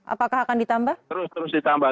apakah akan ditambah terus terus ditambah